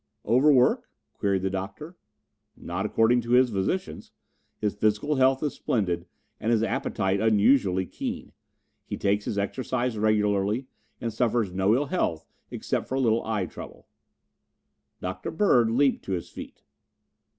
"Overwork?" queried the Doctor. "Not according to his physicians. His physical health is splendid and his appetite unusually keen. He takes his exercise regularly and suffers no ill health except for a little eye trouble." Dr. Bird leaped to his feet.